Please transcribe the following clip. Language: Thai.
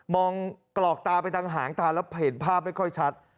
กรอกตาไปทางหางตาแล้วเห็นภาพไม่ค่อยชัด